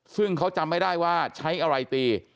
ซึ่งเขาจำไม่ได้ว่าใช้อะไรตี